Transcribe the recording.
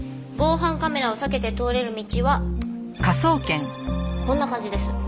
防犯カメラを避けて通れる道はこんな感じです。